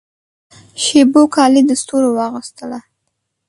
شېبو کالي د ستورو واغوستله